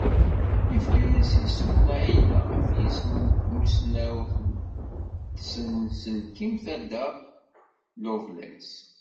Yefka-as isem n Ai-Da, ɣef yisem n tmussnawt di tsenselkimt Ada Lovelace.